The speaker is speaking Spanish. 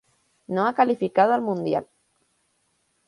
No ha calificado al mundial.